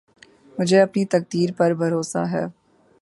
مجھے اپنی تقدیر پر بھروسہ ہے